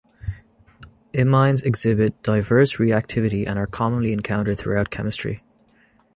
Imines exhibit diverse reactivity and are commonly encountered throughout chemistry.